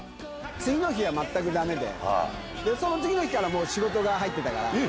次の日は全くだめで、その次の日から、もう仕事が入ってたから。